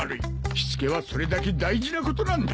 しつけはそれだけ大事なことなんだ。